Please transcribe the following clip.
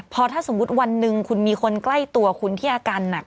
พอถ้าสมมุติวันหนึ่งคุณมีคนใกล้ตัวคุณที่อาการหนัก